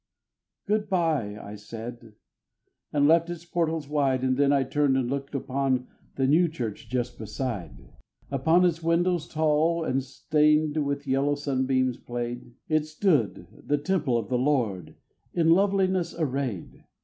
Good bye, I said, and left its portals wide, And then I turned and looked upon the new church just beside; Upon its windows tall and stained the yellow sunbeams played, It stood, the temple of the Lord, in loveliness arrayed.